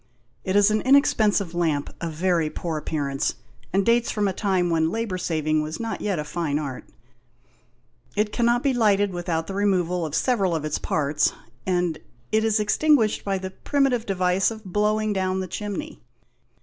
It is an inexpensive lamp of very poor appearance, and dates from a time when labour saving was not yet a fine art. It cannot be lighted without the removal of several of its parts, and it is extinguished by the primitive device of 123 GHOST TALES. blowing down the chimney.